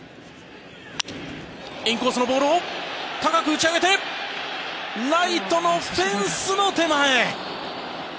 インコースのボールを高く打ち上げてライトのフェンスの手前。